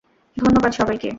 ধন্যবাদ, সবাইকে!